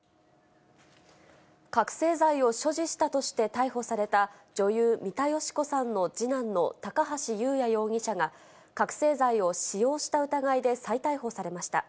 覚醒剤を所持したとして逮捕された女優、三田佳子さんの次男の高橋祐也容疑者が、覚醒剤を使用した疑いで再逮捕されました。